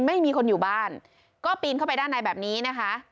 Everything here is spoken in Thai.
ไม่มีคนอยู่บ้านก็ปีนเข้าไปด้านในแบบนี้นะคะ